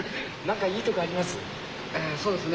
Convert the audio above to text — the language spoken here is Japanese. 何かいいとこあります？